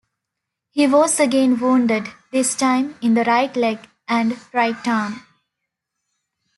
He was again wounded, this time in the right leg and right arm.